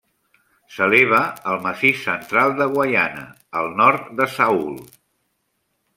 S'eleva al Massís Central de Guaiana al nord de Saül.